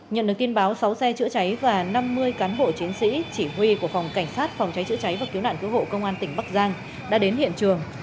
nhận được tin báo sáu xe chữa cháy và năm mươi cán bộ chiến sĩ chỉ huy của phòng cảnh sát phòng cháy chữa cháy và cứu nạn cứu hộ công an tỉnh bắc giang đã đến hiện trường